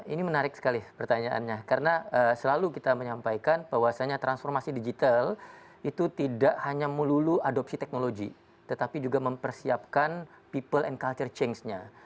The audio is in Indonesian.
ini menarik sekali pertanyaannya karena selalu kita menyampaikan bahwasannya transformasi digital itu tidak hanya melulu adopsi teknologi tetapi juga mempersiapkan people and culture change nya